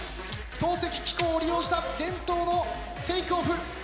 投石機構を利用した伝統のテイクオフ。